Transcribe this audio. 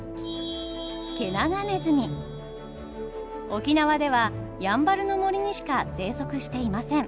沖縄ではやんばるの森にしか生息していません。